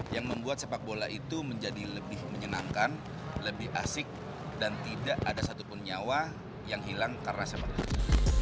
yang membuat sepak bola itu menjadi lebih menyenangkan lebih asik dan tidak ada satupun nyawa yang hilang karena sepak bola